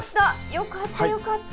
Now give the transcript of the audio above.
よかったよかった。